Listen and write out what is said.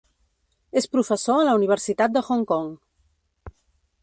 És professor a la Universitat de Hong Kong.